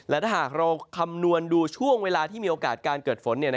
และถ้าหากเราคำนวณดูช่วงเวลาที่มีโอกาสการเกิดฝน